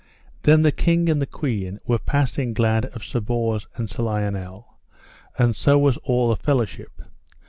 Then the king and the queen were passing glad of Sir Bors and Sir Lionel, and so was all the fellowship.